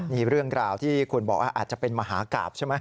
นี่เรื่องราวที่คุณบอกว่าอาจจะเป็นมหากราบใช่ไหม